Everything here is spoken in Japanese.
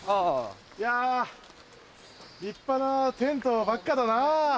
いや立派なテントばっかだなぁ。